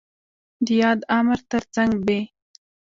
د ياد امر تر څنګ ب